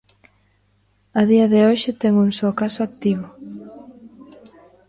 A día de hoxe ten un só caso activo.